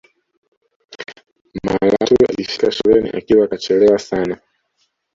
malatwe alifika shuleni akiwa kachelewa sana